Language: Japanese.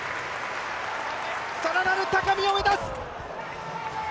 更なる高みを目指す！